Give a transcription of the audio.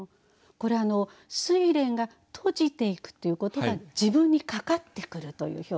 これ睡蓮が閉じていくっていうことが自分にかかってくるという表現なんですね。